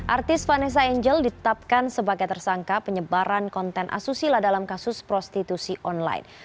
artis vanessa angel ditetapkan sebagai tersangka penyebaran konten asusila dalam kasus prostitusi online